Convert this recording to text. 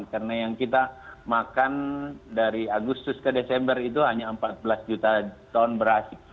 karena yang kita makan dari agustus ke desember itu hanya empat belas juta ton beras